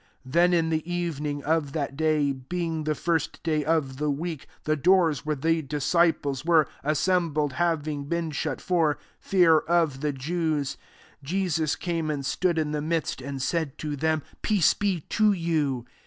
19 Then, in the evening of that dly, being the first day of the week, the doors where the disciples were [assembled] hav ing been shut for fear of the Jews, Jesus came and stood in the midst; and said to them, Peace 6e to you."